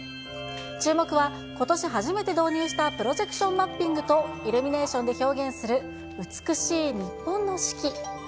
注目はことし初めて導入したプロジェクションマッピングと、イルミネーションで表現する美しい日本の四季。